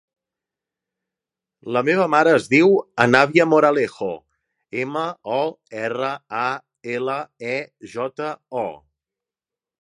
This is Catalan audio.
La meva mare es diu Anabia Moralejo: ema, o, erra, a, ela, e, jota, o.